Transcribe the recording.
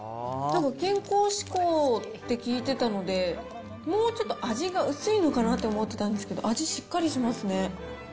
健康志向って聞いてたので、もうちょっと味が薄いのかなと思ってたんですけど、味しっかりしますね。